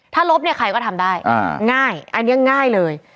ถ้าลบเนี่ยใครก็ทำได้ง่ายอันนี้ง่ายเลย